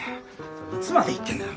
いつまで言ってんだよ。